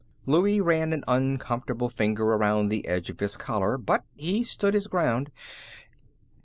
Louie ran an uncomfortable finger around the edge of his collar, but he stood his ground.